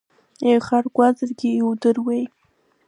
Еихаргәазаргьы иудыруеи?